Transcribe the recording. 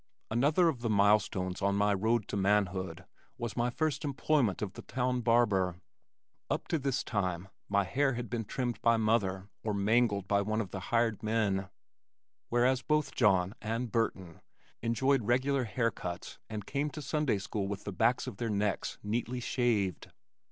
Another of the milestones on my road to manhood was my first employment of the town barber. Up to this time my hair had been trimmed by mother or mangled by one of the hired men, whereas both John and Burton enjoyed regular hair cuts and came to Sunday school with the backs of their necks neatly shaved.